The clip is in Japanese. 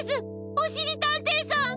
おしりたんていさん！